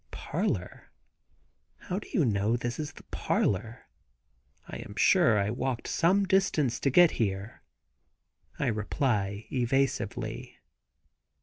"Parlor? How do you know this is the parlor? I am sure I walked some distance to get here," I reply evasively.